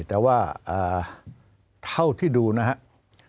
แต่ว่าเท่าที่ดูนะครับ